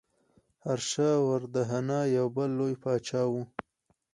هرشا وردهنا یو بل لوی پاچا و.